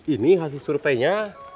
ini hasil surpenya